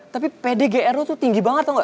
tapi pdg r lo tuh tinggi banget tau gak